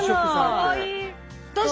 かわいい！